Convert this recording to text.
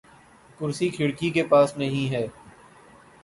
کرسی کھڑکی کے پاس نہیں ہے